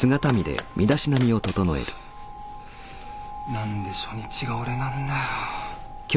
何で初日が俺なんだよ。